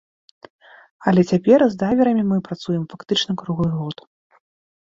Але цяпер з дайверамі мы працуем фактычна круглы год.